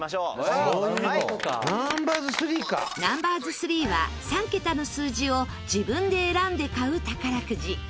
ナンバーズ３は３桁の数字を自分で選んで買う宝くじ。